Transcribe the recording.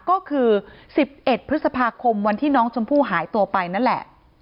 ก็คือ๑๑พฤษภาคมวันที่น้องชมพู่หายตัวไปนั่นแหละ